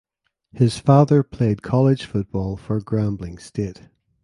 His father played college football for Grambling State.